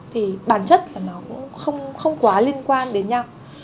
thì bản chất là nó cũng không quá liên quan đến nhau